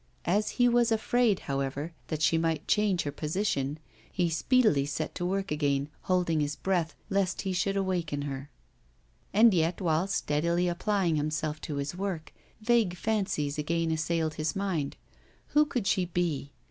As he was afraid, however, that she might change her position, he speedily set to work again, holding his breath, lest he should awaken her. And yet, while steadily applying himself to his work, vague fancies again assailed his mind. Who could she be?